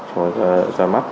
cho ra mắt